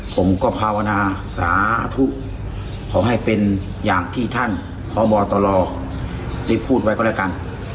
ผมก็ภาวนาสาธุขอให้เป็นอย่างที่ท่านพบตรได้พูดไว้ก็แล้วกัน